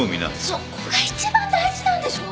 そこが一番大事なんでしょ！